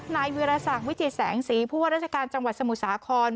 นายวิรสักวิจิตแสงสีผู้ว่าราชการจังหวัดสมุทรสาคร